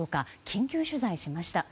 緊急取材しました。